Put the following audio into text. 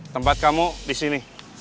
tempat kamu di sini